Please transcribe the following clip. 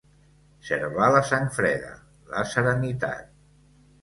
Servar la sang freda, la serenitat.